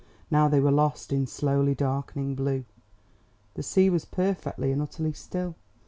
Now they were lost in slowly darkening blue. The sea was perfectly and utterly still.